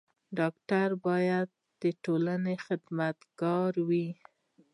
ډاکټر بايد د ټولني خدمت ګار وي.